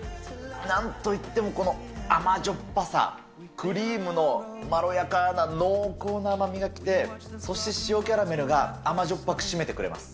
なんといってもこの甘じょっぱさ、クリームのまろやかな濃厚な甘みがきて、そして塩キャラメルが甘じょっぱく締めてくれます。